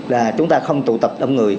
là chúng ta không tụ tập âm người